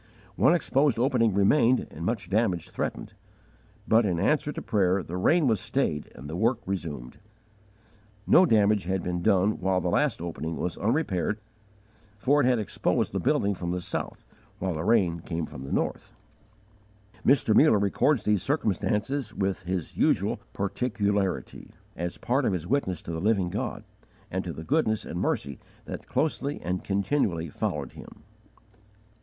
One exposed opening remained and much damage threatened; but, in answer to prayer, the rain was stayed, and the work resumed. No damage had been done while the last opening was unrepaired for it had exposed the building from the south, while the rain came from the north. Mr. Muller records these circumstances with his usual particularity, as part of his witness to the Living God, and to the goodness and mercy that closely and continually followed him.